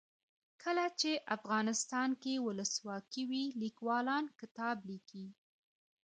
کله چې افغانستان کې ولسواکي وي لیکوالان کتاب لیکي.